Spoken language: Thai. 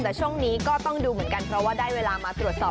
แต่ช่วงนี้ก็ต้องดูเหมือนกันเพราะว่าได้เวลามาตรวจสอบ